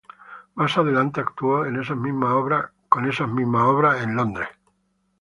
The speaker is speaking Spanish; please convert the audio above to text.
Más adelante actuó en esas mismas obras en Londres.